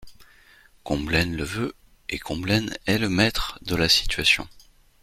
Combelaine le veut, et Combelaine est le maître de la situation.